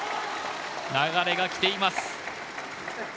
流れがきています。